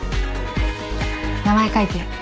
名前書いて。